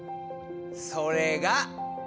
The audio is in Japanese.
それが。